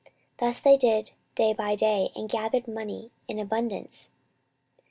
Thus they did day by day, and gathered money in abundance.